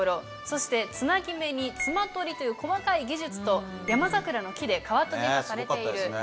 そしてつなぎ目につま取りという細かい技術と山桜の木で皮とじがされている。